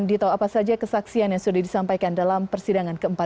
ditau apa saja kesaksian yang sudah disampaikan dalam persidangan ke empat belas